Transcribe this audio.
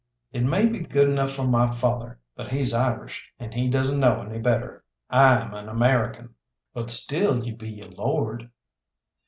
"It may be good enough for my father, but he's Irish, and he doesn't know any better. I'm an American." "But still you'd be a lord."